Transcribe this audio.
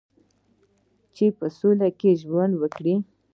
چې په سوله کې ژوند وکړي.